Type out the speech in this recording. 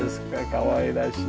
かわいらしい。